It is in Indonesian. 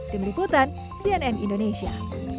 tim liputan cnn indonesia